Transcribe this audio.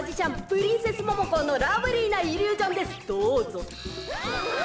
プリンセスモモコーのラブリーなイリュージョンですどうぞ。